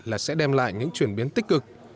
là sẽ đem lại những chuyển biến tích cực